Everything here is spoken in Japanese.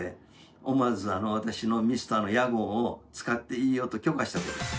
思わず、私のミスターの屋号を使っていいよと許可した。